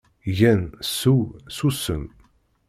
Gen, seww, susem.